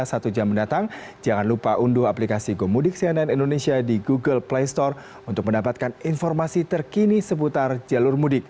satu jam mendatang jangan lupa unduh aplikasi gomudik cnn indonesia di google play store untuk mendapatkan informasi terkini seputar jalur mudik